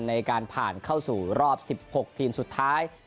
ในการผ่านเข้าสู่รอบ๑๖ทีมสุดท้าย